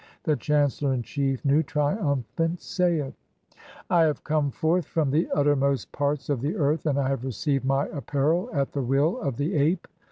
The chancellor in chief, Nu, triumphant, saith :— (2) "I have come forth from the uttermost parts of the earth, and "[I have] received my apparel (?) at the will(?) of the Ape.